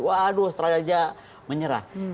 waduh australia aja menyerah